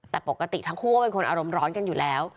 แต่ปกติทั้งคู่ก็เป็นคนอารมณ์ร้อนกันอยู่แล้ว